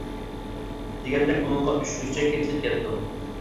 دېگەندەك ئۇنىڭغا ئۈچ لۈكچەك ئېتىلىپ كەپتۇ.